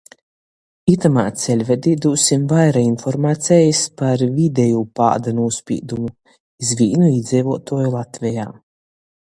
Itymā ceļvedī dūsim vaira informacejis par videjū pāda nūspīdumu iz vīnu īdzeivuotuoju Latvejā.